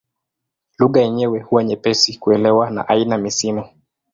Lugha yenyewe huwa nyepesi kuelewa na haina misimu.